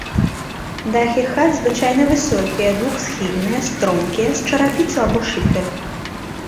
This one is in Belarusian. Дахі хат звычайна высокія, двухсхільныя, стромкія, з чарапіцы або шыферу.